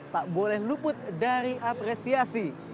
tak boleh luput dari apresiasi